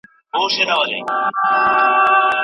کله به زموږ پوهنتونونه له نړیوالو پوهنتونونو سره سیالي وکړي؟